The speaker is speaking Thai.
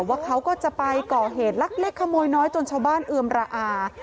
ว่าเขาก็จะไปก่อเหตุลักเล็กขโมยน้อยจนชาวบ้านเอือมระอา